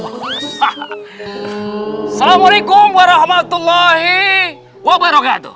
assalamualaikum warahmatullahi wabarakatuh